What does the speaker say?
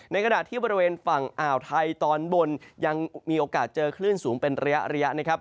ขณะที่บริเวณฝั่งอ่าวไทยตอนบนยังมีโอกาสเจอคลื่นสูงเป็นระยะนะครับ